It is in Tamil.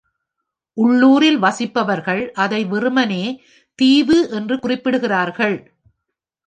உள்ளூரில் வசிப்பவர்கள் அதை வெறுமனே ‘தீவு' என்று குறிப்பிடுகிறார்கள்.